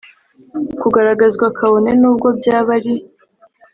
kugaragazwa kabone n ubwo byaba ari